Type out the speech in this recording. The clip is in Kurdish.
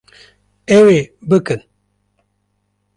Ew ê bikin